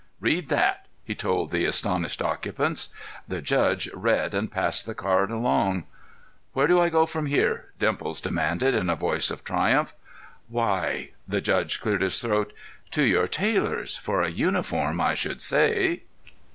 "Read that!" he told the astonished occupants. The "judge" read and passed the card along. "Where do I go from here?" Dimples demanded, in a voice of triumph. "Why"—the "judge" cleared his throat—"to your tailor's for a uniform, I should say."